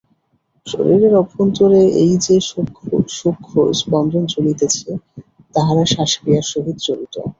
শরীরের অভ্যন্তরে এই যে-সব সূক্ষ্ম স্পন্দন চলিতেছে, তাহারা শ্বাস-ক্রিয়ার সহিত জড়িত।